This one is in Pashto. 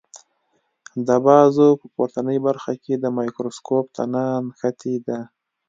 د بازو په پورتنۍ برخه کې د مایکروسکوپ تنه نښتې ده.